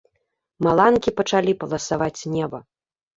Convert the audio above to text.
Маланкі пачалі паласаваць неба.